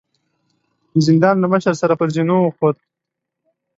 د زندان له مشر سره پر زينو وخوت.